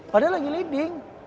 padahal lagi leading